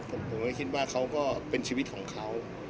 ผมก็คิดว่าเขาก็เป็นชีวิตของเขา